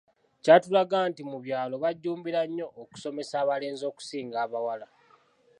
Kyatulaga nti mu byalo bajjumbira nnyo okusomesa abalenzi okusinga abawala.